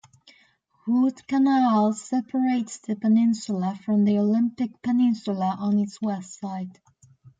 Hood Canal separates the peninsula from the Olympic Peninsula on its west side.